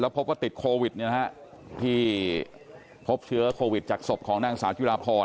แล้วพบก็ติดโควิดเนี่ยนะฮะที่พบเชื้อโควิดจากศพของหน้าอักษรยุลาพร